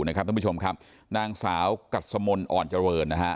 สำหรับทุกผู้ชมครับนางสาวกัษมนต์อ่อนเจริญ